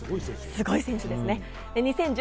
すごい選手です。